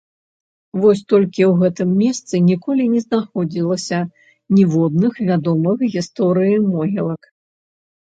Вось толькі ў гэтым месцы ніколі не знаходзілася ніводных вядомых гісторыі могілак.